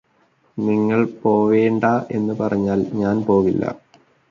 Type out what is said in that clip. നിങ്ങള് പോവേണ്ട എന്ന് പറഞ്ഞാല് ഞാന് പോവില്ലാ